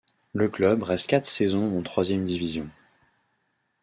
Le club reste quatre saisons en troisième division.